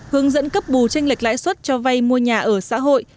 hướng dẫn cấp bù tranh lệch lãi suất cho vay mua nhà ở xã hội